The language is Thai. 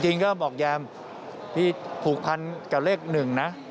จริงก็บอกแยมพี่ผูกพันกับเลขหนึ่งนะ